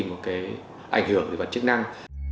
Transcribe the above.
một cái ảnh hưởng về mặt chức năng